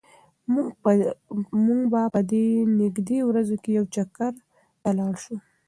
موږ به په نږدې ورځو کې یو چکر ته لاړ شو.